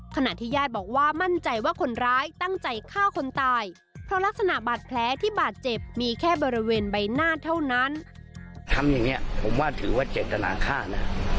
ขณะที่ญาติบอกว่ามั่นใจว่าคนร้ายตั้งใจฆ่าคนตายเพราะลักษณะบาดแพ้ที่บาดเจ็บมีแค่บริเวณใบหน้าเท่านั้น